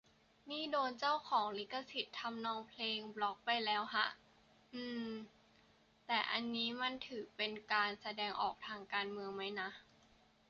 นี่โดนเจ้าของลิขสิทธิ์ทำนองเพลงบล็อคไปแล้วแฮะ อืมมม แต่อันนี้มันถือเป็นการแสดงออกทางการเมืองไหมนะ